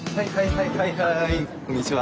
こんにちは。